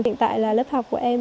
hiện tại là lớp học của em